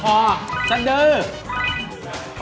คอซะเดือ